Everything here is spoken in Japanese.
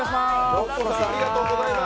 ｄｏｃｃｏさんありがとうございます！